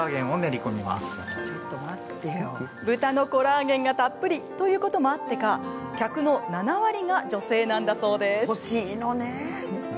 豚のコラーゲンがたっぷりということもあってか客の７割が女性なんだそうです。